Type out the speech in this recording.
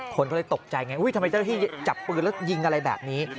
คนก็เลยตกใจไงทำไมเจ้าที่จับปืนแล้วยิงอะไรแบบนี้